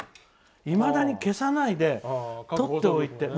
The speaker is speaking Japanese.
いまだに消さないでとっておいて。